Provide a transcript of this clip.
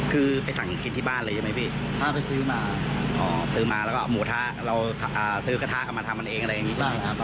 คือไปสั่งกินที่บ้านเลยใช่ไหมพี่